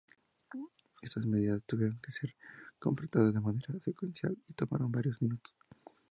Estas medidas tuvieron que ser completadas de manera secuencial y tomaron varios minutos.